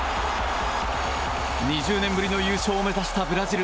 ２０年ぶりの優勝を目指したブラジル。